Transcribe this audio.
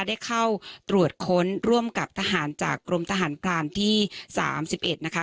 ได้เข้าตรวจค้นร่วมกับทหารจากกรมทหารกลานที่สามสิบเอ็ดนะคะ